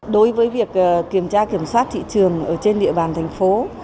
đối với việc kiểm tra kiểm soát thị trường trên địa bàn thành phố